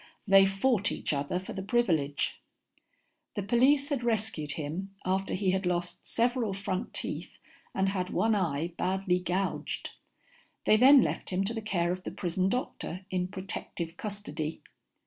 They fought each other for the privilege. The police had rescued him after he had lost several front teeth and had one eye badly gouged. They then left him to the care of the prison doctor in protective custody.